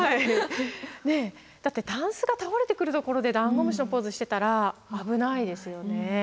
だってタンスが倒れてくるところでダンゴムシのポーズしてたら危ないですよね。